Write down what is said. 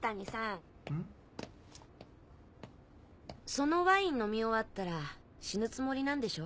そのワイン飲み終わったら死ぬつもりなんでしょ？